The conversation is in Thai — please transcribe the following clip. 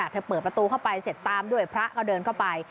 เธอเปิดประตูเข้าไปเสร็จตามด้วยพระก็เดินเข้าไป